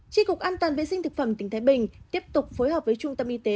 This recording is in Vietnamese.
tri cục an toàn vệ sinh thực phẩm tỉnh thái bình tiếp tục phối hợp với trung tâm y tế